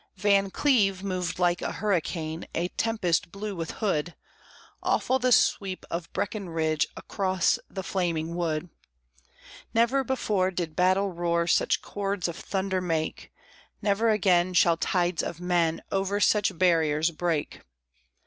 Van Cleve moved like a hurricane, a tempest blew with Hood, Awful the sweep of Breckenridge across the flaming wood. Never before did battle roar such chords of thunder make, Never again shall tides of men over such barriers break.